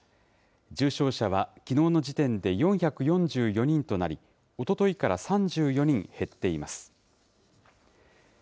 重症者はきのうの時点で４４４人となり、おとといから３４人減っています。